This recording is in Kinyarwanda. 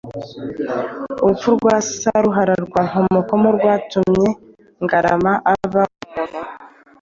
Urupfu rwa Saruhara rwa Nkomokomo rwatumye Ngarama aba umuntu